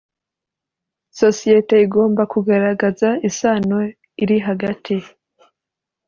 Sosiyete igomba kugaragaza isano iri hagati